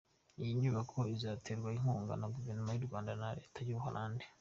Iyi nyubako izaterwa inkunga na Guverinoma y’u Rwanda na Leta y’ u Buholandi.